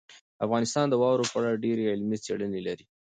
افغانستان د واورو په اړه ډېرې علمي څېړنې لري.